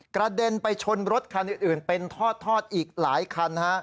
กระเด็นไปชนรถคันอื่นเป็นทอดอีกหลายคัน